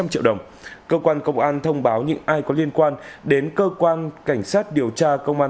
hai trăm linh triệu đồng cơ quan công an thông báo những ai có liên quan đến cơ quan cảnh sát điều tra công an